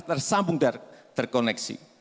tersambung dan terkoneksi